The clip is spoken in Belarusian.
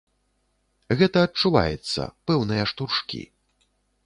Гэта адчуваецца, пэўныя штуршкі.